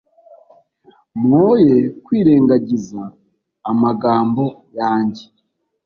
mwoye kwirengagiza amagambo yanjye